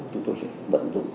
chúng tôi sẽ vận dụng